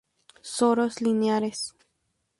Soros lineares.